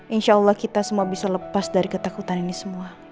insyaallah kita semua bisa lepas dari ketakutan ini semua